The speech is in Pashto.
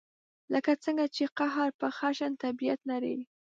لکه څنګه چې قهر پر خشن طبعیت لري.